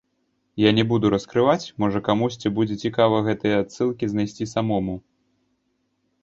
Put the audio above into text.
Я не буду раскрываць, можа, камусьці будзе цікава гэтыя адсылкі знайсці самому.